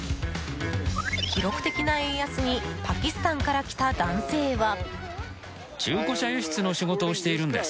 記録的な円安にパキスタンから来た男性は。